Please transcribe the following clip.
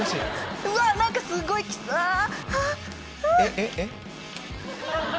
えっ？あっ。